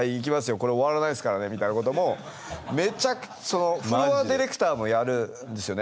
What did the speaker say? これ終わらないですからねみたいなこともフロア・ディレクターもやるんですよね